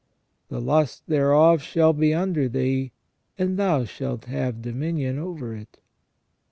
" The lust thereof shall be under thee, and thou shalt have dominion over it."